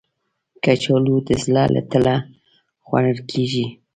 کچالو د زړه له تله خوړل کېږي